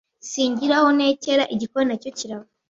si ngira aho ntekera igikoni na cyo kirava